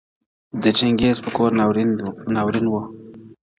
• د چنګېز پر کور ناورين ؤ -